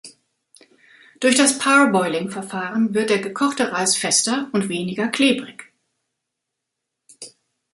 Durch das Parboiling-Verfahren wird der gekochte Reis fester und weniger klebrig.